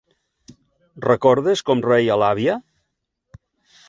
Recordes com reia l'àvia?